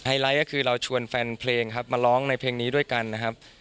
ไลท์ก็คือเราชวนแฟนเพลงครับมาร้องในเพลงนี้ด้วยกันนะครับ